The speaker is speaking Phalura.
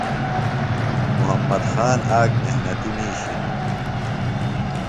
محمد خان آک محنتیۡ مِیش ہِنوۡ۔